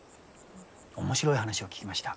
面白い話を聞きました。